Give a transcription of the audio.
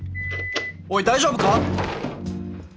おい大丈夫か！？